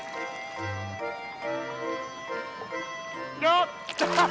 よっ！